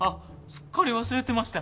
すっかり忘れてました。